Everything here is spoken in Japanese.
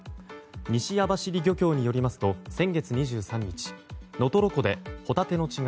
西網走漁協によりますと先月２３日能取湖でホタテの稚貝